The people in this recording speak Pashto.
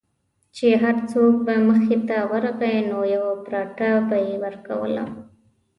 چې هر څوک به مخې ته ورغی نو یوه پراټه به یې ورکوله.